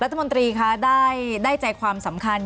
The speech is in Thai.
รัฐมนตรีคะได้ใจความสำคัญ